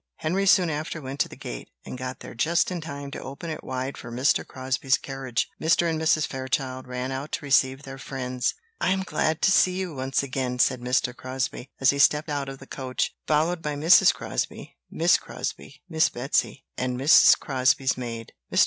Henry soon after went to the gate, and got there just in time to open it wide for Mr. Crosbie's carriage. Mr. and Mrs. Fairchild ran out to receive their friends. "I am glad to see you once again," said Mr. Crosbie, as he stepped out of the coach, followed by Mrs. Crosbie, Miss Crosbie, Miss Betsy, and Mrs. Crosbie's maid. Mr.